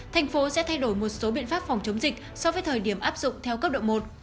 thành phố sẽ thay đổi một số biện pháp phòng chống dịch so với thời điểm áp dụng theo cấp độ một